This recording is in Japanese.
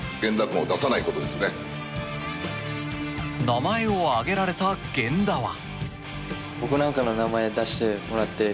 名前を挙げられた源田は。